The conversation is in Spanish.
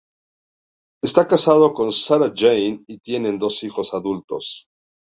Está casado con Sarah-Jane y tienen dos hijos adultos.